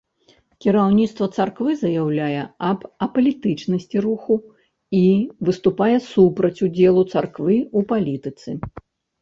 Кіраўніцтва царквы заяўляе аб апалітычнасці руху і выступае супраць удзелу царквы ў палітыцы.